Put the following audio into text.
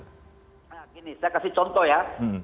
nah gini saya kasih contoh ya